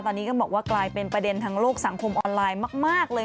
ตอนนี้ก็บอกว่ากลายเป็นประเด็นทางโลกสังคมออนไลน์มากเลย